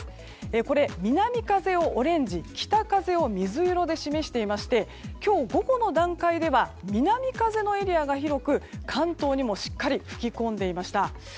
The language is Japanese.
これ、南風をオレンジ北風を水色で示していて今日午後の段階では南風のエリアが広く関東にもしっかり吹き込んでいました。